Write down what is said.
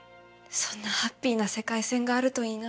そんなハッピーな世界線があるといいな。